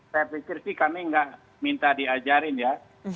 saya pikir sih kami nggak minta diajarin ya